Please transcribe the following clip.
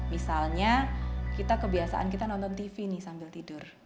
misalnya kebiasaan kita nonton tv sambil tidur